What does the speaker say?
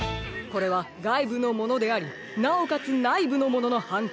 これはがいぶのものでありなおかつないぶのもののはん